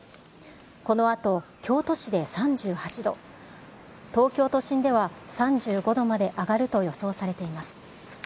このあと京都市で３８度、東京都心では３５度まで上がると予想されています。